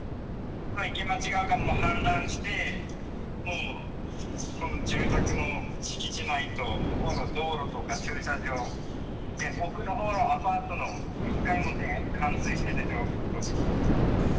池町川が氾濫して、住宅の敷地内と向こうの道路とか、駐車場、奥のほうのアパートの１階も全部冠水している状況です。